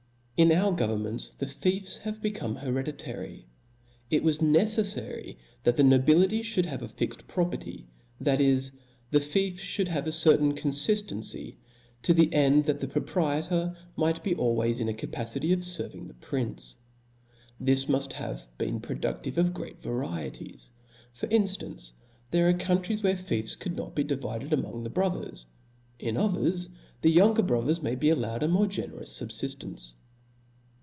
In our governments, the fiefs are become heiTC ditary. It was neceffary that the nobility (l^ould have a fixt property, that is, the fief 'fl^ould have a certain confiftency, to the end that the proprie tor might be always in a capacity of ferving the prince. This muft have J)een produftive of great varieties 5 for inftance, ;here ajre countries where fiefs could not be divided among the brothers ; ia others, the younger brothers may be allowed a more generous fubfiftence.